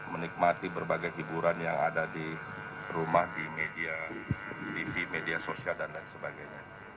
menikmati berbagai hiburan yang ada di rumah di media tv media sosial dan lain sebagainya